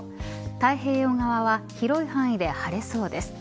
太平洋側は広い範囲で晴れそうです。